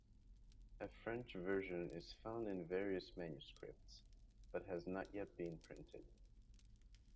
A French version is found in various manuscripts, but has not yet been printed.